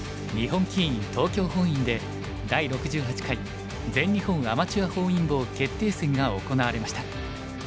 本院で第６８回全日本アマチュア本因坊決定戦が行われました。